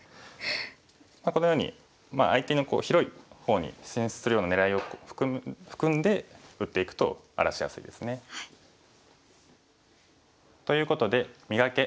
このように相手の広い方に進出するような狙いを含んで打っていくと荒らしやすいですね。ということで「磨け！